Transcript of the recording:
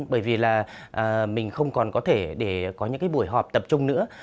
bởi vì là mình không còn có thể để có những buổi họp tập trung nữa